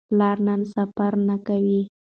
پلار نن سفر نه کوي.